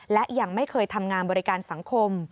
และยังไม่เคยทำงานบริการสังคม